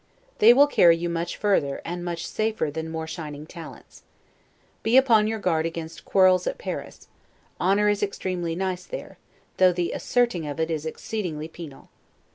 They will carry you much further, and much safer than more shining talents. Be upon your guard against quarrels at Paris; honor is extremely nice there, though the asserting of it is exceedingly penal.